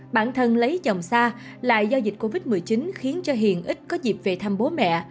bản thân lấy chồng xa lại do dịch covid một mươi chín khiến cho hiền ít có dịp về thăm bố mẹ